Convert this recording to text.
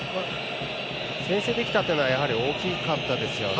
先制できたというのはやはり大きかったですよね。